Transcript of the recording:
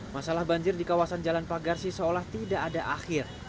masalah banjir di kawasan jalan pagarsi seolah tidak ada akhir